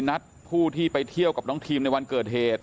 นัดผู้ที่ไปเที่ยวกับน้องทีมในวันเกิดเหตุ